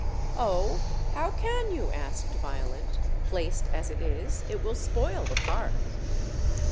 "Oh, how can you?" asked Violent; "placed as it is, it will spoil the park."